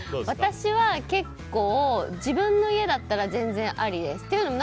私は結構、自分の家だったら全然アリです。